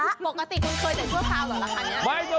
ปกติคุณเคยได้ชั่วคราวเหรอละครั้งนี้